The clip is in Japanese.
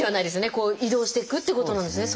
移動していくってことなんですね